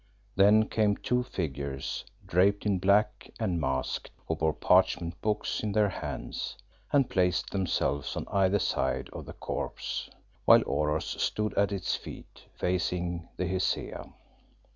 Then came two figures draped in black and masked, who bore parchment books in their hands, and placed themselves on either side of the corpse, while Oros stood at its feet, facing the Hesea.